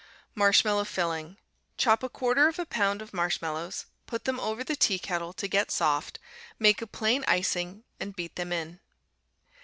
Marshmallow Filling Chop a quarter of a pound of marshmallows; put them over the teakettle to get soft; make a plain icing and beat them in.